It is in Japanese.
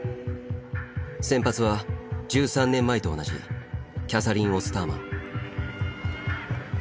先発は１３年前と同じキャサリン・オスターマン。